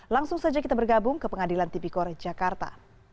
langsung saja kita bergabung ke pengadilan tipikor jakarta